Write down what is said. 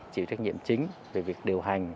chỉ trách nhiệm chính về việc điều hành